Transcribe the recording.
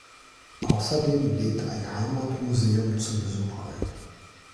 Außerdem lädt ein Heimatmuseum zum Besuch ein.